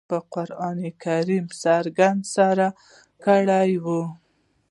په قرآن یې سوګند سره کړی وو.